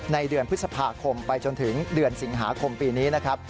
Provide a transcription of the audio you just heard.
ในเดือนพฤษภาคมไปจนถึงเดือนสิงหาคมปีนี้นะครับ